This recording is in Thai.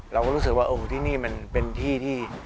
เราก็รู้สึกว่าที่นี่มันเป็นที่ที่